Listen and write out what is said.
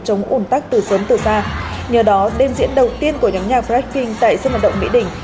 chống ủn tắc từ sớm từ xa nhờ đó đêm diễn đầu tiên của nhóm nhạc blacking tại sân vận động mỹ đình